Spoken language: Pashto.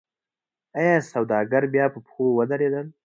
آیا سوداګر بیا په پښو ودرېدل؟